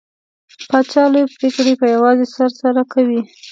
پاچا لوې پرېکړې په يوازې سر سره کوي .